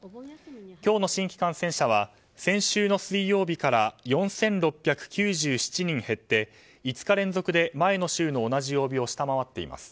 今日の新規感染者は先週の水曜日から４６９７人減って５日連続で前の週の同じ曜日を下回っています。